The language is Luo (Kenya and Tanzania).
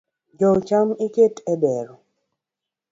Jou cham iket e dero.